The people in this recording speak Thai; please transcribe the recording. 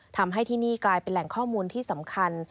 ทำให้ที่นี่กลายเป็นแหล่งข้อมูลที่สำคัญ